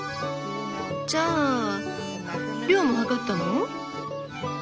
じゃあ量も量ったの？